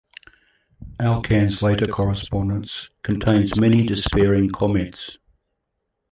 Alkan's later correspondence contains many despairing comments.